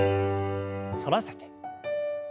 反らせて。